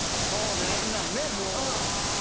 そんなんね、もう。